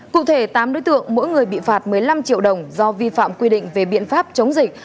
cụ thể tám đối tượng mỗi người bị phạt một mươi năm triệu đồng do vi phạm quy định về biện pháp chống dịch